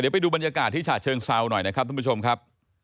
เดี๋ยวไปดูบรรยากาศที่ฉาเชิงเศร้าหน่อยนะครับทุกผู้ชมครับ